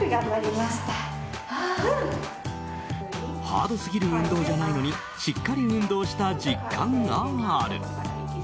ハードすぎる運動じゃないのにしっかり運動した実感がある。